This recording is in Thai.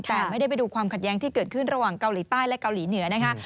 แต่ไม่ได้ไปดูความขัดแย้งที่เกิดขึ้นระหว่างเกาหลีใต้และเกาหลีเหนือนะคะ